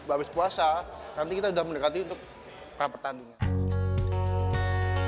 abis puasa nanti kita sudah mendekati untuk perang pertandingan